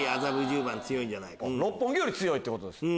六本木より強いってことですね。